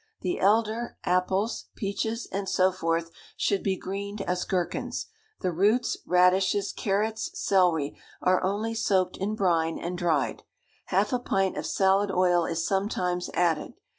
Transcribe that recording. The elder, apples, peaches, and so forth, should be greened as gherkins. The roots, radishes, carrots, celery, are only soaked in brine and dried. Half a pint of salad oil is sometimes added.